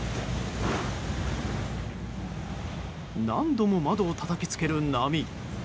何度も窓をたたきつける波。